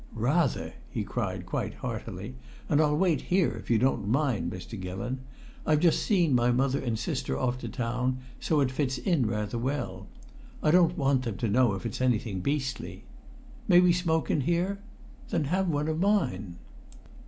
"Rather!" he cried quite heartily; "and I'll wait here if you don't mind, Mr. Gillon. I've just seen my mother and sister off to town, so it fits in rather well. I don't want them to know if it's anything beastly. May we smoke in here? Then have one of mine."